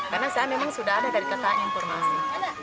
karena saya memang sudah ada dari kata informasi